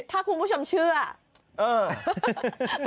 ถ้าคุณผู้ชมเชื่อเออ